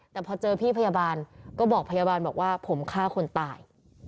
แต่พอเจอพี่พยาบาลก็บอกพยาบาลบอกว่าผมฆ่าคนตาย